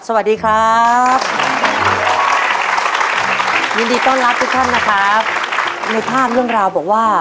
สวัสดีครับ